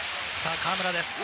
河村です。